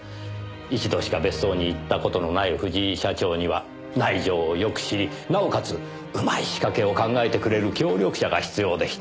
一度しか別荘に行った事のない藤井社長には内情をよく知りなおかつうまい仕掛けを考えてくれる協力者が必要でした。